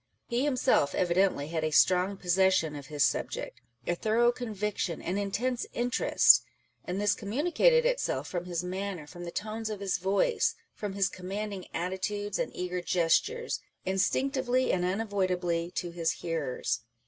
He himself evidently had a strong possession of his subject, a thorough conviction, an intense interest ; and this communicated itself from his manner, from the tones of his voice, from his commanding attitudes and eager gestures, instinctively and unavoidably to his hearers.